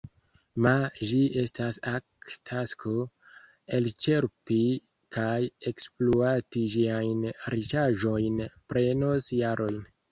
Ma ĝi estas ak tasko: elĉerpi kaj ekspluati ĝiajn riĉaĵojn prenos jarojn.